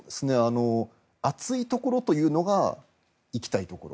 厚いところというのが行きたいところ。